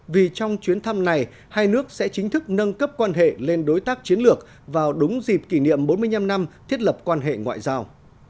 vì trong chuyến thăm này hai nước sẽ chính thức nâng cấp quan hệ lên đối tác chiến lược vào đúng dịp kỷ niệm bốn mươi năm năm thiết lập quan hệ ngoại giao